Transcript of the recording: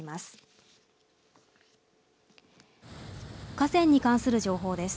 河川に関する情報です。